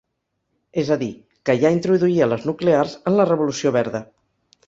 És a dir, que ja introduïa les nuclears en la revolució verda.